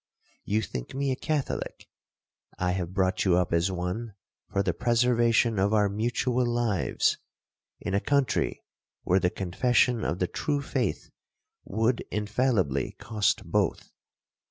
You think me a Catholic—I have brought you up as one for the preservation of our mutual lives, in a country where the confession of the true faith would infallibly cost both.